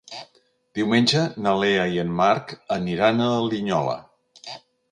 Diumenge na Lea i en Marc aniran a Linyola.